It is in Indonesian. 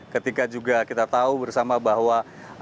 ketika juga kita tahu bersama bahwa